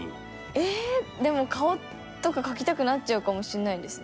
ええーでも顔とか描きたくなっちゃうかもしれないですね。